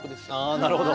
あなるほど。